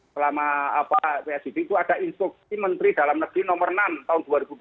selama psbb itu ada instruksi menteri dalam negeri nomor enam tahun dua ribu dua puluh